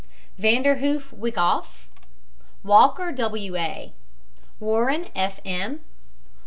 VANDERHOOF, WYCKOFF. WALKER, W. A. WARREN, F. M.